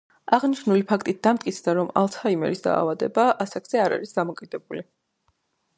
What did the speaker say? აღნიშნული ფაქტით დამტკიცდა, რომ ალცჰაიმერის დაავადება ასაკზე არ არის დამოკიდებული.